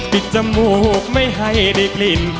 จมูกไม่ให้ได้กลิ่น